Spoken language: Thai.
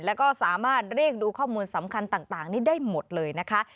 แล้วก็สามารถเรียกดูข้อมูลสำคัญต่างนี้ได้หมดเลยนะคะ